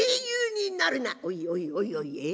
「おいおいおいおいええ